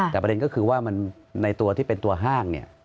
แต่ประเด็นก็คือว่าในตัวที่เป็นตัวห้าง